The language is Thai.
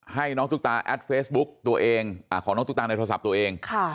ให้น้องตุ๊กตาแอดเฟซบุ๊กตัวเองของน้องตุ๊กตาในโทรศัพท์ตัวเอง